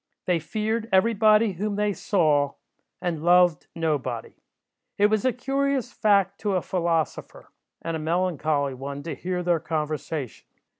They feared every body whom they saw, and loved nobody. It was a curious fact to a philosopher, and a melancholy one to hear their conversation.